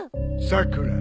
さくら